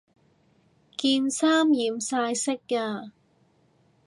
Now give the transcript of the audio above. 件衫染晒色呀